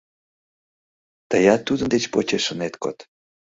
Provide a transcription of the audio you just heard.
— Тыят тудын деч почеш ынет код?